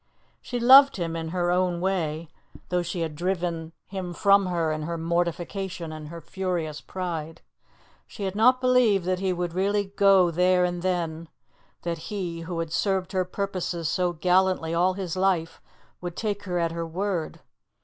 She loved him in her own way, though she had driven him from her in her mortification and her furious pride. She had not believed that he would really go there and then; that he, who had served her purposes so gallantly all his life, would take her at her word.